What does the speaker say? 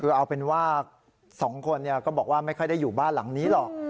คือเอาเป็นว่า๒คนก็บอกว่าไม่ค่อยได้อยู่บ้านหลังนี้หรอก